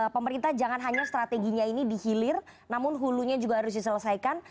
pemerintah jangan hanya strateginya ini dihilir namun hulunya juga harus diselesaikan